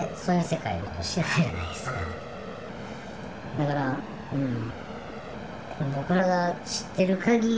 だからうん。